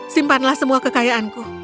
simpanlah semua kekayaanku